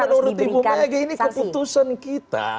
bukan menurut bu mega ini keputusan kita